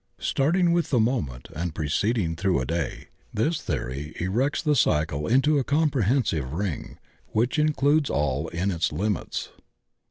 Starting with the moment and proceeding through a day, this theory erects tiie cycle into a comprehensive ring, which includes all in its limits.